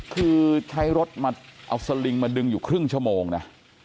คือใช้รถมาเอาสลิงมาดึงอยู่ครึ่งชั่วโมงนะ